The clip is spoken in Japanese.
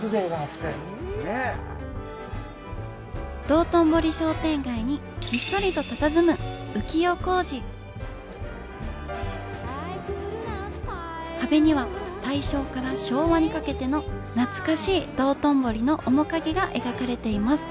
道頓堀商店街にひっそりとたたずむ浮世小路壁には大正から昭和にかけての懐かしい道頓堀の面影が描かれています